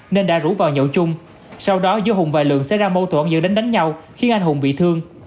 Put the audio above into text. nên đã rủ vào nhậu chung sau đó giữa hùng và lượng xảy ra mâu thuẫn dẫn đến đánh nhau khiến anh hùng bị thương